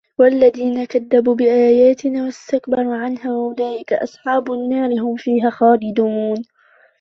وَالَّذِينَ كَذَّبُوا بِآيَاتِنَا وَاسْتَكْبَرُوا عَنْهَا أُولَئِكَ أَصْحَابُ النَّارِ هُمْ فِيهَا خَالِدُونَ